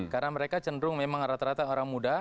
karena mereka cenderung memang rata rata orang muda